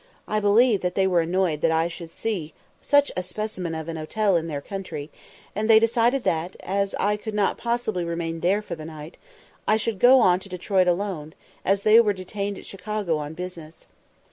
I believe that they were annoyed that I should see such a specimen of an hotel in their country, and they decided, that, as I could not possibly remain there for the night, I should go on to Detroit alone, as they were detained at Chicago on business.